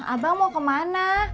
abang mau kemana